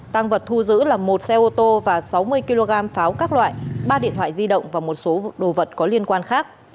tăng vật thu giữ là một xe ô tô và sáu mươi kg pháo các loại ba điện thoại di động và một số đồ vật có liên quan khác